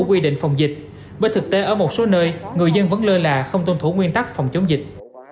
quy định phòng dịch bởi thực tế ở một số nơi người dân vẫn lơ là không tuân thủ nguyên tắc phòng chống dịch